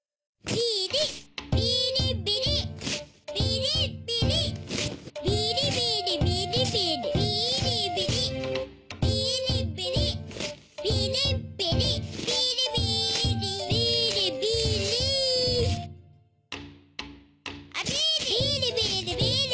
ビーリビーリビーリビーリビーリビリ。